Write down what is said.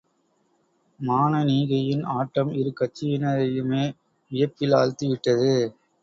மானனீகையின் ஆட்டம் இருகட்சியினரையுமே வியப்பிலாழ்த்திவிட்டது.